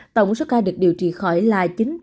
tổng số ca được điều trị khỏi là chín ba trăm hai mươi bảy